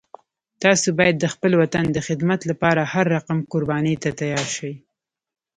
تاسو باید د خپل وطن د خدمت لپاره هر رقم قربانی ته تیار شئ